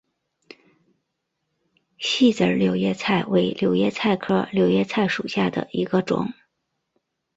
细籽柳叶菜为柳叶菜科柳叶菜属下的一个种。